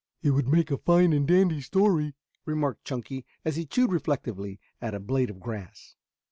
"It would make a fine and dandy story," remarked Chunky, as he chewed reflectively at a blade of grass.